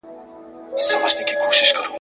غړومبېدلی به آسمان وي ..